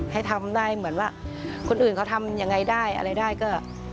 ให้ทำได้เหมือนว่าคนอื่นเขาทำยังไงได้อะไรได้ก็